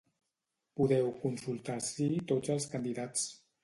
Podeu consultar ací tots els candidats.